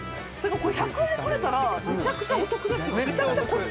これ１００円で取れたらめちゃくちゃお得ですよ。